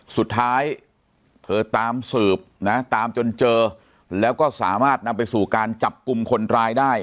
สุดท้ายเธอตามสืบนะตามจนเจอแล้วก็สามารถนำไปสู่การจับกลุ่มคนร้ายได้